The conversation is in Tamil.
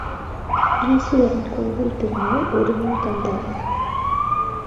ஈசுவரன் கோவில் திருநாள் ஒரு நாள் கந்தாயம்.